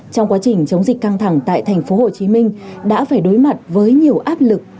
trong quá trình chống dịch căng thẳng tại thành phố hồ chí minh đã phải đối mặt với nhiều áp lực